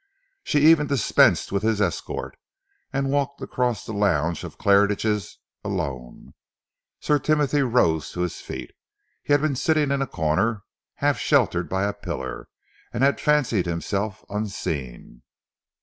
She even dispensed with his escort, and walked across the lounge of Claridge's alone. Sir Timothy rose to his feet. He had been sitting in a corner, half sheltered by a pillar, and had fancied himself unseen.